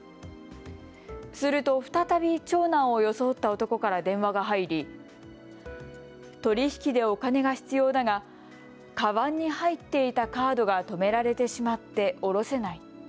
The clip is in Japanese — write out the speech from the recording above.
すると再び長男を装った男から電話が入り取り引きでお金が必要だがかばんに入っていたカードが止められてしまって下ろせない。